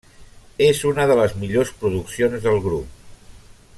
És una de les millors produccions del grup.